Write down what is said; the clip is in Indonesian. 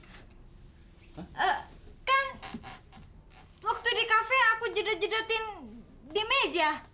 kan waktu di kafe aku jodoh jodohin di meja